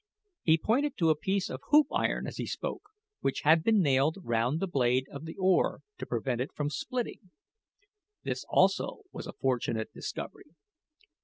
He pointed to a piece of hoop iron as he spoke, which had been nailed round the blade of the oar to prevent it from splitting. This also was a fortunate discovery.